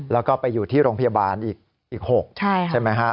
แล้วก็ไปอยู่ที่โรงพยาบาลอีก๖ใช่ไหมฮะ